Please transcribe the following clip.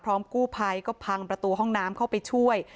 กู้ภัยก็พังประตูห้องน้ำเข้าไปช่วย